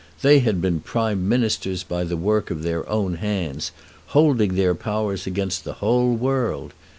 They had been Prime Ministers by the work of their own hands, holding their powers against the whole world.